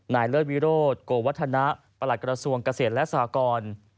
เลิศวิโรธโกวัฒนะประหลัดกระทรวงเกษตรและสากร